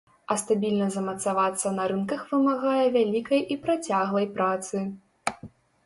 А стабільна замацавацца на рынках вымагае вялікай і працяглай працы.